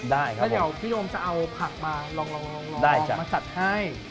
ได้ครับค่ะเดี๋ยวพี่อมจะเอาผักมาลองมาจัดให้